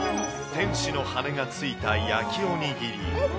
天使の羽が付いた焼きおにぎり。